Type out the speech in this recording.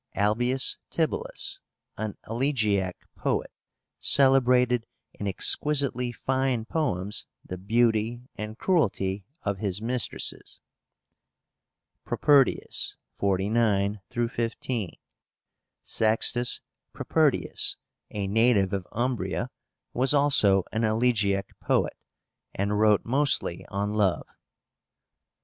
ALBIUS TIBULLUS, an elegiac poet, celebrated in exquisitely fine poems the beauty and cruelty of his mistresses. PROPERTIUS (49 15). SEXTUS PROPERTIUS, a native of Umbria, was also an elegiac poet, and wrote mostly on love.